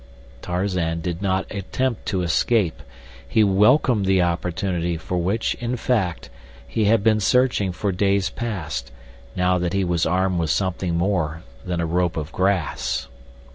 Tarzan did not attempt to escape. He welcomed the opportunity for which, in fact, he had been searching for days past, now that he was armed with something more than a rope of grass.